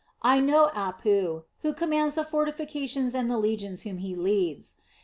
I know Apu, who commands the fortifications and the legions whom he leads.